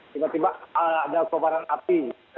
tiba tiba ada kobaran api